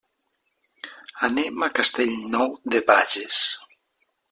Anem a Castellnou de Bages.